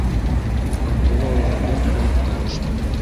- Ғабдулла уға бер ҡунып та төштө.